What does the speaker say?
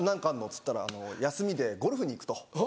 っつったら休みでゴルフに行くと。